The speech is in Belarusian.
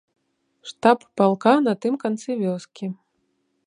Штаб палка на тым канцы вёскі.